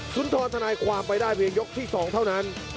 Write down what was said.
นทรทนายความไปได้เพียงยกที่๒เท่านั้น